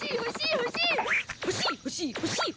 欲しい欲しい欲しい欲しい。